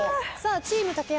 チーム竹山。